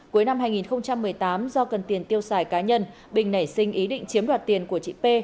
cuối năm hai nghìn một mươi tám do cần tiền tiêu xài cá nhân bình nảy sinh ý định chiếm đoạt tiền của chị p